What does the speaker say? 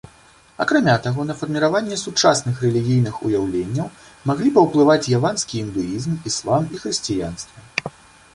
Акрамя таго, на фарміраванне сучасных рэлігійных уяўленняў маглі паўплываць яванскі індуізм, іслам і хрысціянства.